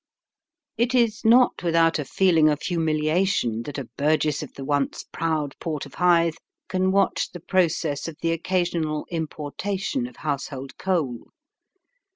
It is not without a feeling of humiliation that a burgess of the once proud port of Hythe can watch the process of the occasional importation of household coal.